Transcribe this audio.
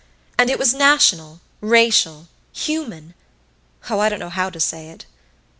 And it was National, Racial, Human oh, I don't know how to say it.